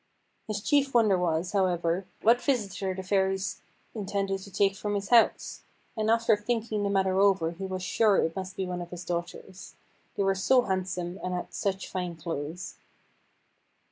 His chief wonder was, however, what visitor the Fairies intended to take from his house; and after thinking the matter over he was sure it must be one of his daughters they were so handsome, and had such fine clothes.